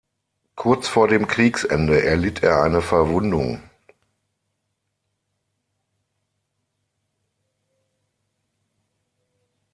Kurz vor dem Kriegsende erlitt er eine Verwundung.